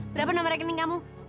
berapa nomor rekening kamu